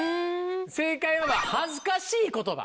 正解は恥ずかしい言葉。